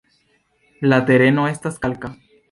La tereno estas kalka.